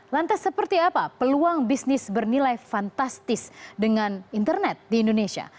lantas seperti apa peluang bisnis bernilai fantastis dengan internet di indonesia